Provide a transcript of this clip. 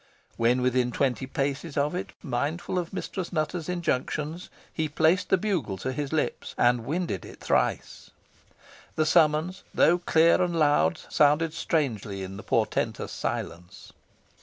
When within twenty paces of it, mindful of Mistress Nutter's injunctions, he placed the bugle to his lips, and winded it thrice. The summons, though clear and loud, sounded strangely in the portentous silence.